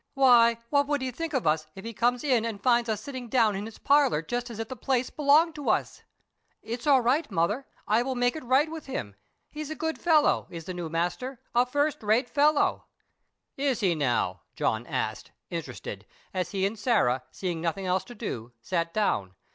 Why, what would he think of us if he comes in and finds us sitting down in his parlour just as if the place belonged to us?" "It's all right, mother, I will make it right with him; he's a good fellow, is the new master—a first rate fellow." "Is he, now?" John asked, interested, as he and Sarah, seeing nothing else to do, sat down.